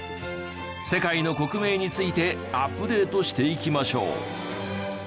世界の国名についてアップデートしていきましょう。